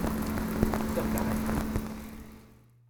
Sauf la reine.